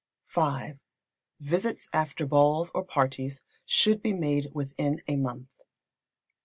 v. Visits after balls or parties should be made within a month.